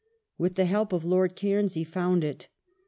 ^ With the help of Lord Cairns he found it.